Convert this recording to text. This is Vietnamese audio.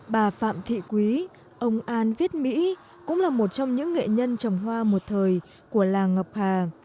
bà phạm thị quý ông an viết mỹ cũng là một trong những nghệ nhân trồng hoa một thời của làng ngọc hà